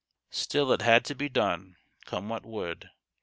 Still it had to be done, come what would.